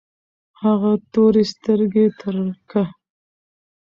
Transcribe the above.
هغه تورې سترګې ترکه